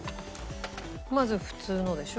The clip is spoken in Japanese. まず普通のでしょ？